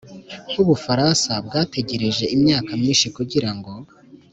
nk'u bufaransa bwategereje imyaka myinshi kugira ngo